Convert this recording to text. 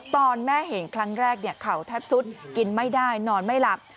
ตอนแม่เห็นครั้งแรกเข่าแทบสุดกินไม่ได้นอนไม่หลับ